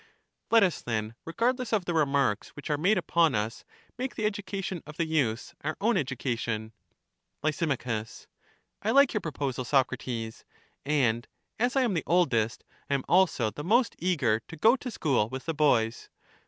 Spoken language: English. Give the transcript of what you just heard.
Let us then, regardless of the remarks which are made upon us, make the education of the youths our own education. Lys, I like your proposal, Socrates; and as I am the oldest, I am also the most eager to go to school with the boys.